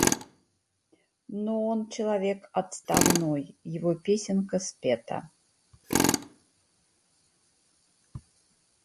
Но он человек отставной, его песенка спета.